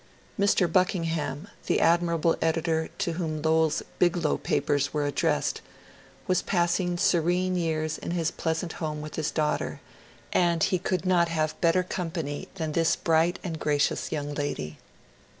Mr. Buckingham, the admirable editor to whom Lowell's ^^ Biglow Papers " were addressed, was passing serene years in his pleasant home vrith his daughter, and he could not have better company than this bright and gracious young lady.